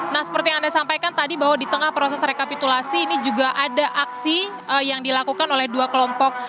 nah seperti yang anda sampaikan tadi bahwa di tengah proses rekapitulasi ini juga ada aksi yang dilakukan oleh dua kelompok